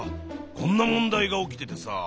こんな問題が起きててさ。